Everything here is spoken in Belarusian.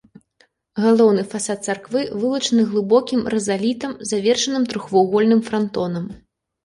Галоўны фасад царквы вылучаны глыбокім рызалітам, завершаным трохвугольным франтонам.